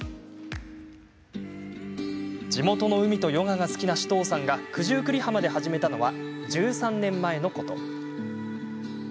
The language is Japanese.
地元の海とヨガが好きな市東さんが九十九里浜で始めたのは１３年前のこと。